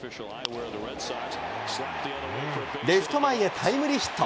レフト前へタイムリーヒット。